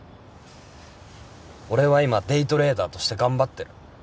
俺は今デイトレーダーとして頑張ってる。